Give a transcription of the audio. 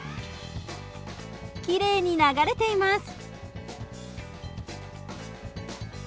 きれいに流れています。